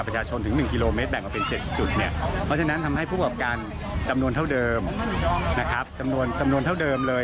จำนวนเท่าเดิมนะครับจำนวนเท่าเดิมเลย